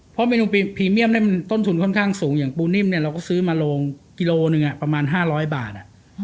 เพราะเมนูพรีเมียมต้นทุนค่อนข้างสูงอย่างปูนิ่มเนี่ยเราก็ซื้อมาโรงกิโลหนึ่งประมาณ๕๐๐บาท